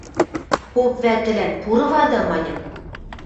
Поп вӓтӹлӓн: «Пуры вады», – маньым.